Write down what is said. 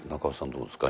どうですか？